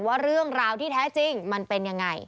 ว่าเรื่องราวที่แท้จริงมันเป็นยังไง